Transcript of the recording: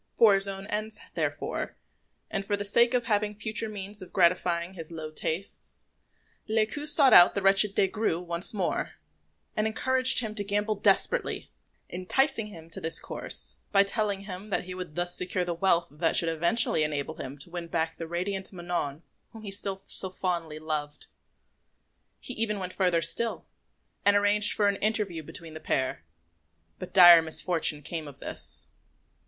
For his own ends, therefore, and for the sake of having future means of gratifying his low tastes, Lescaut sought out the wretched Des Grieux once more, and encouraged him to gamble desperately, enticing him to this course by telling him that he would thus secure the wealth that should eventually enable him to win back the radiant Manon whom he still so fondly loved. He even went further still, and arranged for an interview between the pair; but dire misfortune came of this.